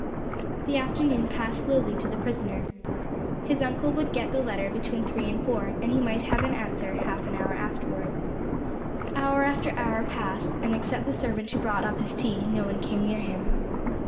The afternoon passed slowly to the prisoner. His uncle would get the letter between three and four, and he might have an answer half an hour afterwards. Hour after hour passed, and, except the servant who brought up his tea, no one came near him.